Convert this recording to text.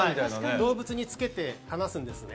動物につけて放すんですね